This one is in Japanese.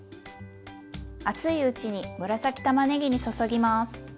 熱いうちに紫たまねぎに注ぎます。